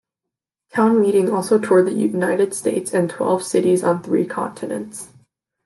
"Town Meeting" also toured the United States and twelve cities on three continents.